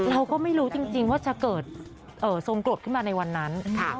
เราก็ไม่รู้จริงว่าจะเกิดทรงกรดขึ้นมาในวันนั้น